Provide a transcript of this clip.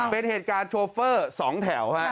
เป็นเหตุการณ์โชเฟอร์๒แถว